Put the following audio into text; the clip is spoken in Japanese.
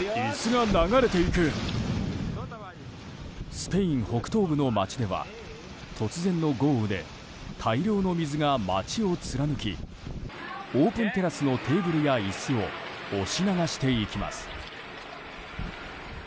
スペイン北東部の街では突然の豪雨で大量の水が街を貫きオープンテラスのテーブルや椅子を押し流していきます。